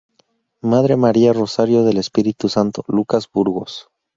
Madre María Rosario del Espíritu Santo Lucas Burgos.